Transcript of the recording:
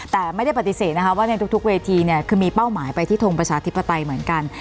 แต่ไม่ได้ปฏิเสธนะคะว่าในทุกเวทีเนี่ยคือมีเป้าหมายไปที่ทงประชาธิปไตยเหมือนกัน